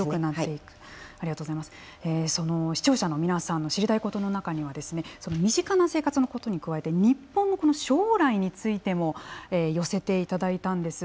その視聴者の皆さんの知りたいことの中には身近な生活のことに加えて日本の将来のことについても寄せていただいたんです。